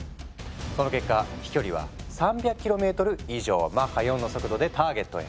その結果飛距離は３００ｋｍ以上マッハ４の速度でターゲットへ。